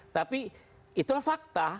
tapi itulah fakta